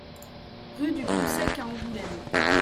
Rue du Pont Sec à Angoulême